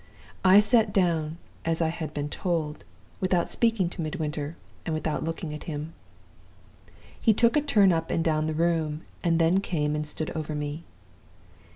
I sat down again, as I had been told, without speaking to Midwinter, and without looking at him. "He took a turn up and down the room, and then came and stood over me.